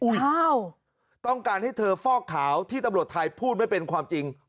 ต้องการให้เธอฟอกขาวที่ตำรวจไทยพูดไม่เป็นความจริง